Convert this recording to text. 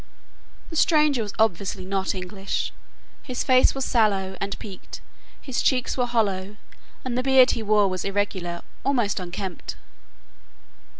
The stranger was obviously not English. His face was sallow and peaked, his cheeks were hollow, and the beard he wore was irregular almost unkempt.